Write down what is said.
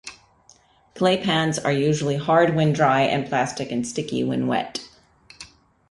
Claypans are usually hard when dry, and plastic and sticky when wet.